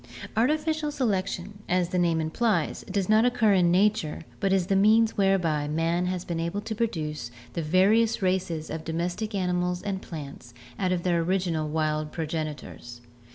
— Artificial selection, as the name implies, does not occur in nature but is the means whereby man has been able to produce the various races of domestic animals and plants out of their original wild progenitors.